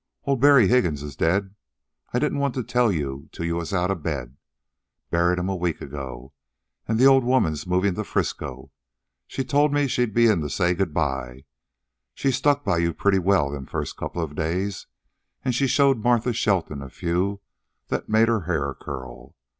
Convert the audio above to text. "Old Barry Higgins is dead. I didn't want to tell you till you was outa bed. Buried'm a week ago. An' the old woman's movin' to Frisco. She told me she'd be in to say good bye. She stuck by you pretty well them first couple of days, an' she showed Martha Shelton a few that made her hair curl.